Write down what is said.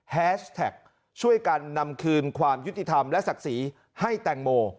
แฮชแท็กช่วยกันนำคืนความยุติธรรมและศักดิ์ศรีให้แตงโม